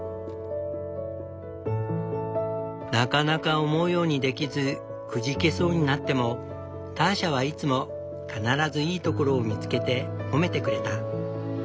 なかなか思うようにできずくじけそうになってもターシャはいつも必ずいいところを見つけて褒めてくれた。